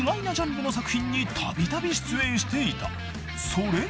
［それが］